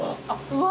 うわ。